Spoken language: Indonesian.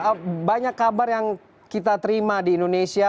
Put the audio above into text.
ya eva banyak kabar yang kita terima di indonesia